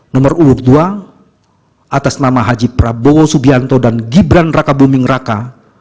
nomor urut dua atas nama haji prabowo subianto dan gibran raka buming raka